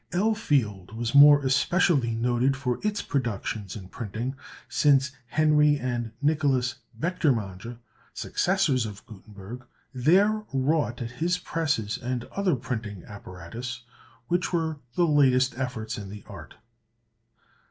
Elfield was more especially noted for its productions in printing, since Henry and Nicholas Becktermange, successors of Gutenberg, there wrought at his presses and other printing apparatus, which were the latest efforts in the art.